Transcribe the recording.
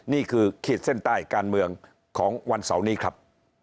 ขีดเส้นใต้การเมืองของวันเสาร์นี้ครับ